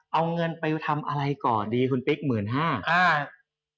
เอาเงินไปทำอะไรก่อนดีคุณปิ๊ก๑๕๐๐๐บาท